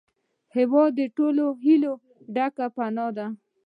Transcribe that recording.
هېواد د ټولو هیلو ګډه پناه ده.